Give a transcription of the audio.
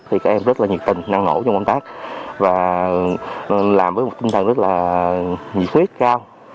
thì các em rất là nhiệt tình năng nổ trong công tác và làm với một tinh thần rất là nhiệt huyết cao